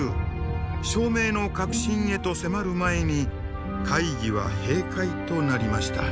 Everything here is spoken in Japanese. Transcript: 証明の核心へと迫る前に会議は閉会となりました。